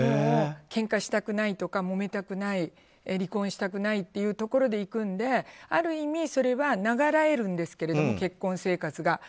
けんかしたくないとかもめたくない離婚したくないっていうところでいくのである意味それは永らえるんですけど結婚生活が。